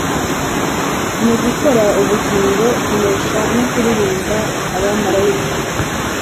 nugukora ubugingo kunesha no kuririmba abamarayika